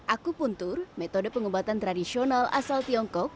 aku puntur metode pengobatan tradisional asal tiongkok